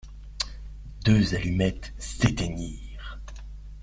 Deux allumettes s'éteignirent.